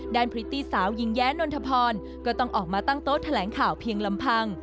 พริตตี้สาวหญิงแย้นนทพรก็ต้องออกมาตั้งโต๊ะแถลงข่าวเพียงลำพัง